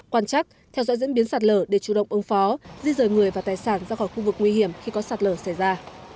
quan chắc theo dõi diễn biến sạt lở để chủ động ứng phó di rời người và tài sản ra khỏi khu vực nguy hiểm khi có sạt lở xảy ra